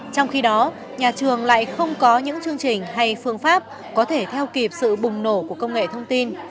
trong khi đó nhà trường lại không có những chương trình hay phương pháp có thể theo kịp sự bùng nổ của công nghệ thông tin